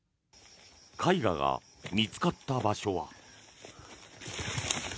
絵画が見つかった場所は。